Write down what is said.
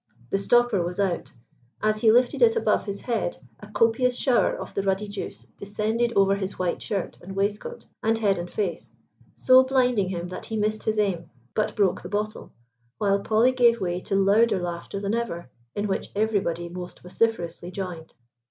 The stopper was out. As he lifted it above his head, a copious shower of the ruddy juice descended over his white shirt and waistcoat, and head and face, so blinding him that he missed his aim, but broke the bottle, while Polly gave way to louder laughter than ever, in which everybody most vociferously joined.